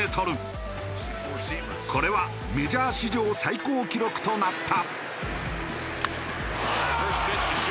これはメジャー史上最高記録となった。